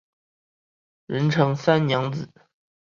人称三娘子。